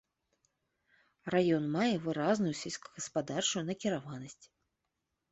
Раён мае выразную сельскагаспадарчую накіраванасць.